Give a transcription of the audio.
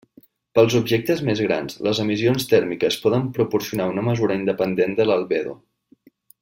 Pels objectes més grans, les emissions tèrmiques poden proporcionar una mesura independent de l'albedo.